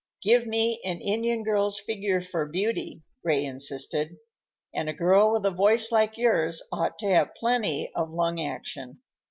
"Give me an Indian girl's figure for beauty," Ray insisted. "And a girl with a voice like yours ought to have plenty of lung action.